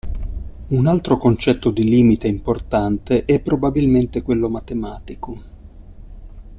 Un altro concetto di limite importante è probabilmente quello matematico.